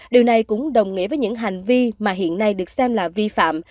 điều này cũng đồng nghĩa với những hành vi mà hiện nay được xem là vi phạm